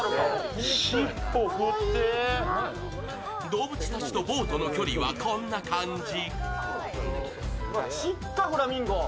動物たちとボートの距離はこんな感じ。